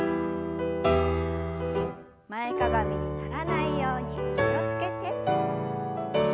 前かがみにならないように気を付けて。